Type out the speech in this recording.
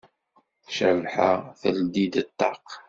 Cabḥa teldi-d ṭṭaq.